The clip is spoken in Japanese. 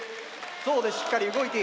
ゾウがしっかり動いている。